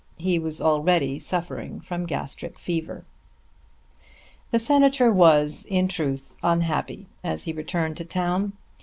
He was already suffering from gastric fever. The Senator was in truth unhappy as he returned to town.